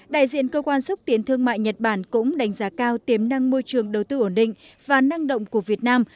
đại diện cơ quan xúc tiến thương mại nhật bản cũng đánh giá cao tiềm năng môi trường đầu tư ổn định và năng động của việt nam